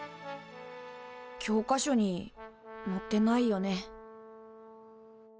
教科書にのってないよね。